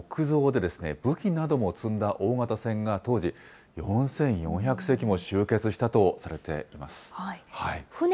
これ、木造で武器なども積んだ大型船が当時、４４００隻も集結したとされています。